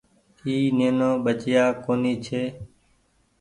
اي نينو ٻچئيآ ڪونيٚ ڇي۔